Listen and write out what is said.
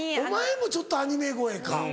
お前もちょっとアニメ声か。